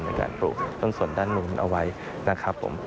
ในการปลูกต้นส่วนด้านนู้นเอาไว้นะครับผม